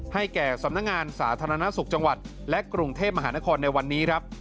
แก่สำนักงานสาธารณสุขจังหวัดและกรุงเทพมหานครในวันนี้ครับ